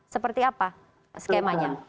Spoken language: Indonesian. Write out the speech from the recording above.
seperti apa skemanya